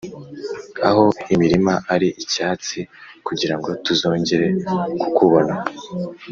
aho imirima ari icyatsi kugirango tuzongere kukubona